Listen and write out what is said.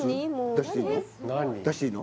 出していいの？